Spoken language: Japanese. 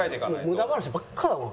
無駄話ばっかだもん。